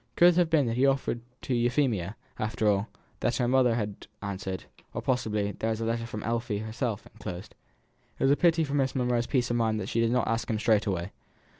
Could it have been that he had offered to Euphemia, after all, and that her mother had answered; or, possibly, there was a letter from Effie herself, enclosed. It was a pity for Miss Monro's peace of mind that she did not ask him straight away.